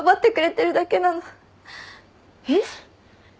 えっ？